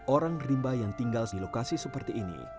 orang rimba yang tinggal di lokasi seperti ini